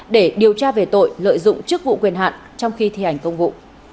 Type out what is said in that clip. để điều tra về tội lợi dụng chức vụ quyền hạn trong khi thi hành công vụ